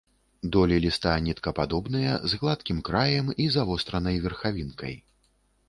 Долі ліста ніткападобныя, з гладкім краем і завостранай верхавінкай.